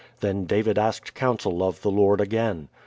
Then David asked counsel of the Lord again."